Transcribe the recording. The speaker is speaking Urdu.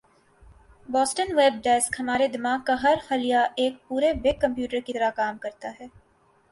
بوسٹنویب ڈیسک ہمارے دماغ کا ہر خلیہ ایک پورےبگ کمپیوٹر کی طرح کام کرتا ہے